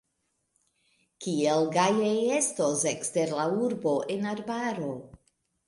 Kiel gaje estos ekster la urbo, en arbaro!